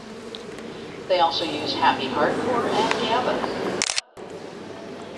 They also use happy hardcore and gabba.